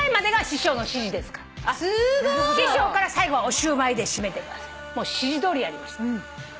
師匠から「最後はおシュウマイで締めてください」指示どおりやりました。